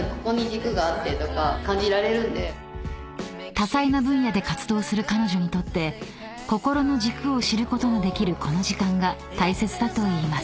［多彩な分野で活動する彼女にとって心の軸を知ることのできるこの時間が大切だといいます］